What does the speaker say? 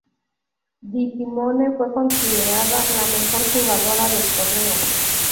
Di Simone fue considerada la mejor jugadora del torneo.